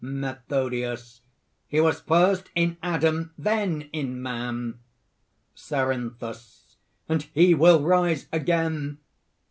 METHODIUS. "He was first in Adam, then in man!" CERINTHUS. "And He will rise again!"